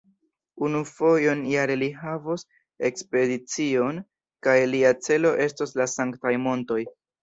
Unu fojon jare li havos ekspedicion kaj lia celo estos la sanktaj montoj.